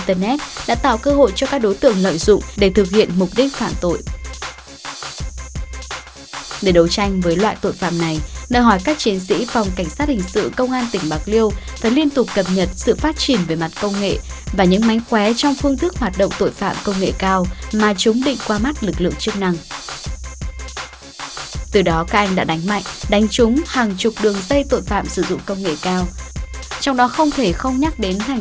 qua giả soát trên địa bàn các chiến sĩ phòng cảnh sát hình sự công an tỉnh bạc liêu đã xin ý kiến chỉ đạo của bang giám đốc xác lập chuyên án đấu tranh với các đối tượng này